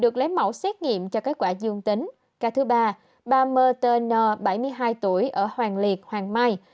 cả thứ ba bà m t n bảy mươi hai tuổi ở hoàng liệt hoàng mai